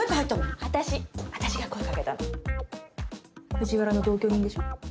藤原の同居人でしょ？